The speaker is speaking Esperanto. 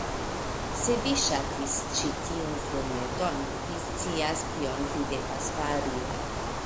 Se vi ŝatis ĉi tiun filmeton, vi scias kion vi devas fari: